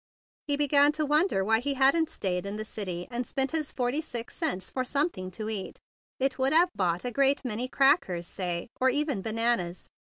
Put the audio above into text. He began to wonder why he hadn't stayed in the city and spent his forty six cents for something to eat. It would have bought a great many crackers, say, or even bananas.